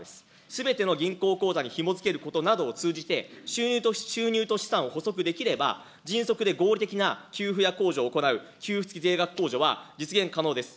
すべての銀行口座にひもづけることなどを通じて、収入と資産をほそくできれば、迅速で合理的な給付や控除を行う給付付き税額控除は実現可能です。